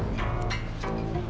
dari siapa ini